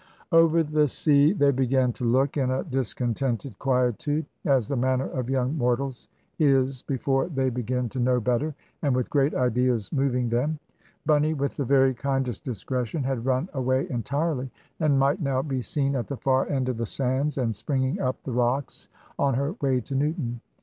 Over the sea they began to look, in a discontented quietude; as the manner of young mortals is before they begin to know better, and with great ideas moving them. Bunny, with the very kindest discretion, had run away entirely, and might now be seen at the far end of the sands, and springing up the rocks, on her way to Newton.